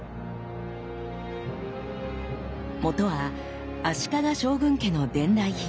もとは足利将軍家の伝来品。